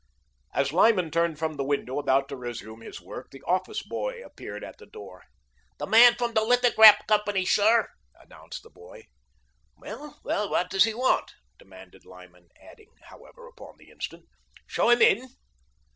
As Lyman turned from the window, about to resume his work, the office boy appeared at the door. "The man from the lithograph company, sir," announced the boy. "Well, what does he want?" demanded Lyman, adding, however, upon the instant: "Show him in."